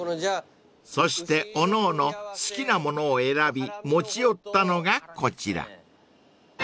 ［そしておのおの好きな物を選び持ち寄ったのがこちら］